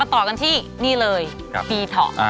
ต่อกันที่นี่เลยปีเถาะ